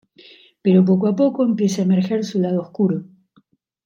Pero poco a poco empieza a emerger su lado oscuro.